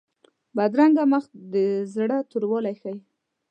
بدرنګه مخ د زړه توروالی ښيي